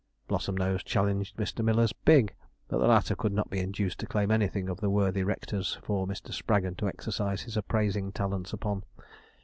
Blossomnose challenged Mr. Miller's pig; but the latter could not be induced to claim anything of the worthy rector's for Mr. Spraggon to exercise his appraising talents upon.